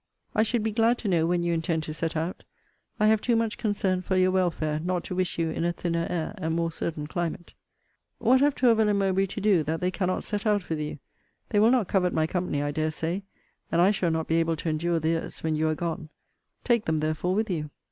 I should be glad to know when you intend to set out. I have too much concern for your welfare, not to wish you in a thinner air and more certain climate. What have Tourville and Mowbray to do, that they cannot set out with you? They will not covet my company, I dare say; and I shall not be able to endure theirs, when you are gone: take them, therefore, with you.